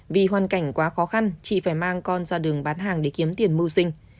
vì hoàn cảnh quá khó khăn chị phải mang con ra đường bán hàng để kiếm tiền mưu sinh